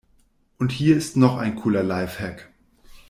Und hier ist noch ein cooler Lifehack.